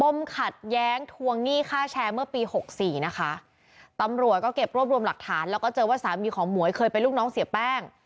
มขัดแย้งทวงหนี้ค่าแชร์เมื่อปีหกสี่นะคะตำรวจก็เก็บรวบรวมหลักฐานแล้วก็เจอว่าสามีของหมวยเคยเป็นลูกน้องเสียแป้ง